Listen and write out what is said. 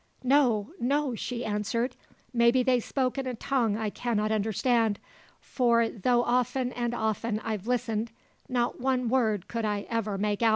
"No, no," she answered; "maybe they spoke in a tongue I cannot understand, for, though often and often I've listened, not one word could I ever make out!"